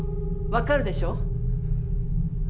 分かるでしょ？